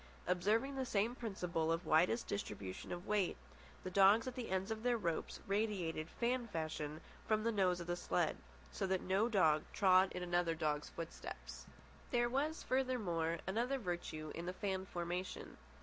Observing the same principle of widest distribution of weight, the dogs at the ends of their ropes radiated fan fashion from the nose of the sled, so that no dog trod in another's footsteps. There was, furthermore, another virtue in the fan formation.